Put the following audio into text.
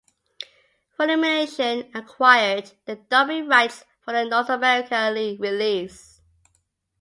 Funimation acquired the dubbing rights for the North America release.